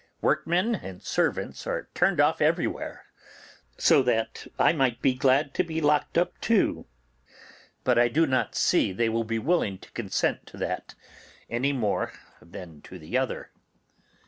Workmen and servants are turned off everywhere, so that I might be glad to be locked up too; but I do not see they will be willing to consent to that, any more than to the other.